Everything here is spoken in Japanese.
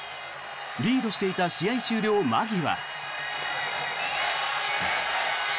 リードしていた試合終了間際。